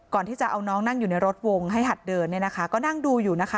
ก่อนที่จะเอาน้องนั่งอยู่ในรถวงให้หัดเดินเนี่ยนะคะก็นั่งดูอยู่นะคะ